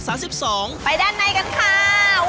ไปด้านในกันค่าา